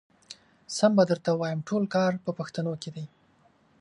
سم به درته ووايم ټول کار په پښتنو کې دی.